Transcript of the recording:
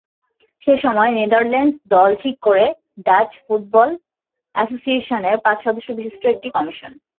সেসময় নেদারল্যান্ডস দল ঠিক করে ডাচ ফুটবল অ্যাসোসিয়েশনের পাঁচ সদস্য বিশিষ্ট একটি কমিশন।